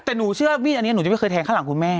แต่หนูเชื่อมีดอันนี้หนูจะไม่เคยแทงข้างหลังคุณแม่